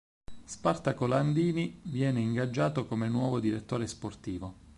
Spartaco Landini viene ingaggiato come nuovo direttore sportivo.